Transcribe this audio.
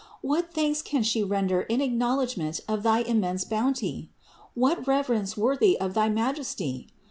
What thanks can she render in acknowledgment of thy immense bounty? What reverence worthy of thy Majesty?